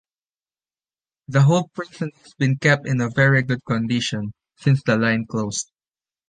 The whole precinct has been kept in very good condition since the line closed.